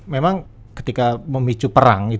memang ketika memicu perang